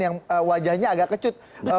yang wajahnya agak kecut